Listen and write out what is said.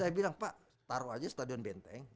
saya bilang pak taruh aja stadion benteng